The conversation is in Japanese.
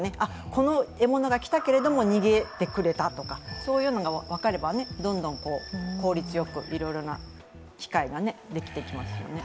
この獲物が来たけれども逃げてくれたとか、そういうのが分かればどんどん効率よく、いろいろな機械ができていきますよね。